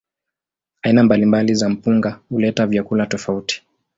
Aina mbalimbali za mpunga huleta vyakula tofauti.